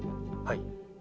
はい。